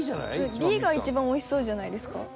Ｂが一番おいしそうじゃないですか？